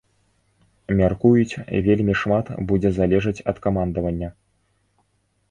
Мяркуюць, вельмі шмат будзе залежаць ад камандавання.